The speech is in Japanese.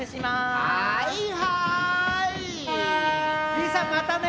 じいさんまたね！